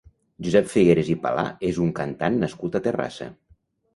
Josep Figueres i Palà és un cantant nascut a Terrassa.